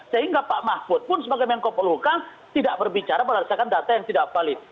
sehingga pak mahfud pun sebagai menko polhukam tidak berbicara berdasarkan data yang tidak valid